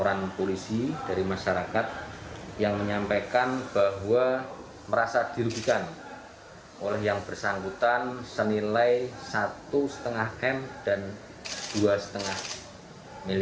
orang polisi dari masyarakat yang menyampaikan bahwa merasa dirugikan oleh yang bersangkutan senilai satu lima m dan dua lima m